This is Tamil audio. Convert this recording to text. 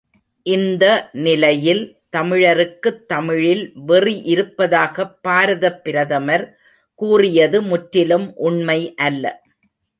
இந்த நிலையில் தமிழருக்குத் தமிழில் வெறி இருப்பதாகப் பாரதப் பிரதமர் கூறியது முற்றிலும் உண்மை அல்ல.